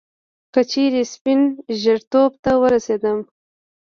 که چیري سپين ژیرتوب ته ورسېدم